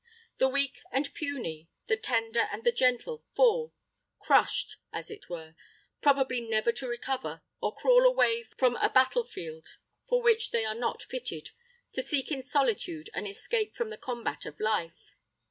The weak and puny, the tender and the gentle fall, crushed, as it were, probably never to recover, or crawl away from a battle field, for which they are not fitted, to seek in solitude an escape from the combat of life.